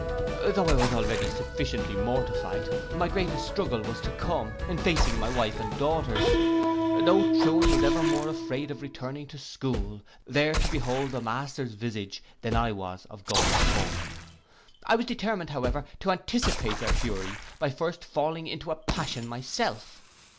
Though I was already sufficiently mortified, my greatest struggle was to come, in facing my wife and daughters. No truant was ever more afraid of returning to school, there to behold the master's visage, than I was of going home. I was determined, however, to anticipate their fury, by first falling into a passion myself.